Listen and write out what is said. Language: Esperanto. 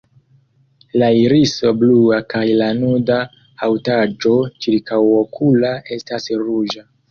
La iriso blua kaj la nuda haŭtaĵo ĉirkaŭokula estas ruĝa.